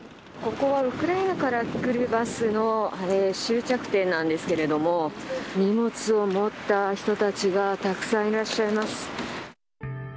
ここはウクライナから来るバスの終着点なんですけれども、荷物を持った人たちがたくさんいらっしゃいます。